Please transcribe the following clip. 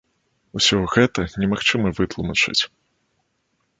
Усё гэта немагчыма вытлумачыць.